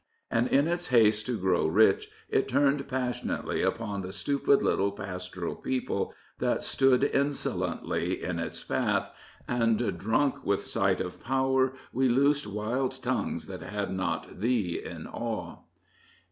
And in its haste to grow rich it turned passionately upon the stupid little pastoral people that stood insolently in its path, and Drunk with sight of power, we loosed Wild tongues that had not Thee in awe.